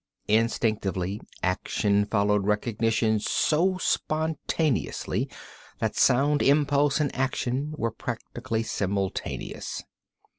Instinctively action followed recognition so spontaneously that sound, impulse and action were practically simultaneous.